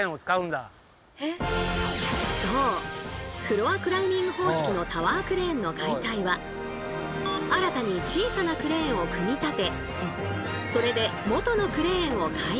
フロアクライミング方式のタワークレーンの解体は新たに小さなクレーンを組み立てそれで元のクレーンを解体。